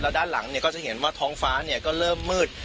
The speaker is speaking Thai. ด้านหลังก็จะเห็นว่าท้องฟ้าก็เริ่มมืด